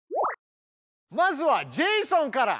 まずはジェイソンから。